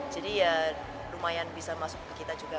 jadi ya lumayan bisa masuk ke kita juga